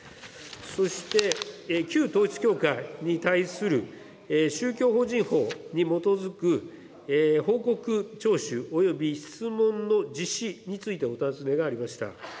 そして旧統一教会に対する宗教法人法に基づく報告徴収および質問の実施についてお尋ねがありました。